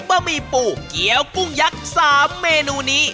ะหมี่ปูเกี้ยวกุ้งยักษ์๓เมนูนี้